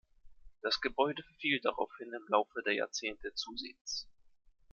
Das Gebäude verfiel daraufhin im Laufe der Jahrzehnte zusehends.